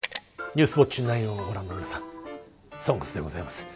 「ニュースウオッチ９」をご覧の皆さん「ＳＯＮＧＳ」でございます。